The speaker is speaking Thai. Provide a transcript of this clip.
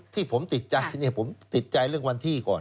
ที่ผมติดใจผมติดใจเรื่องวันที่ก่อน